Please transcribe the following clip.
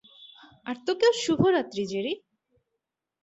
আর তোকেও শুভরাত্রি, জেরি।